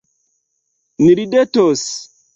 Ni ridetos.